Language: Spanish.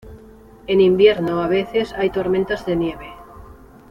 En invierno a veces hay tormentas de nieve.